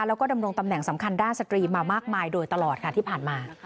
แล้วก็ดำรงตำแหน่งสำคัญด้านสตรีมามากมายโดยตลอดค่ะที่ผ่านมา